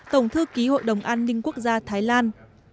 tổng thư ký hội đồng an ninh quốc gia thái lan